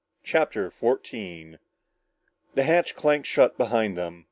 CHAPTER 14 The hatch clanked shut behind them.